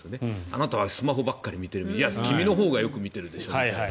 あなたはスマホばかり見ているいや、君のほうがよく見てるでしょって。